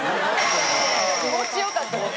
気持ちよかったです。